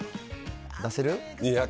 出せる？